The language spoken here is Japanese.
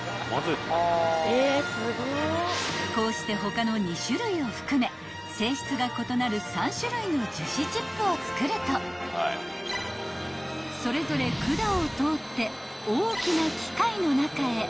［こうして他の２種類を含め性質が異なる３種類の樹脂チップをつくるとそれぞれ管を通って］